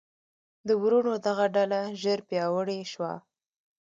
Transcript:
د وروڼو دغه ډله ژر پیاوړې شوه.